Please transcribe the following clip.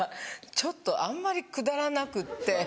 ちょっとあんまりくだらなくって。